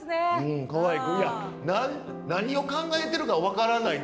うん何を考えてるか分からない。